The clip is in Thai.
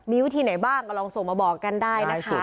มีวิธีไหนบ้างก็ลองส่งมาบอกกันได้นะคะ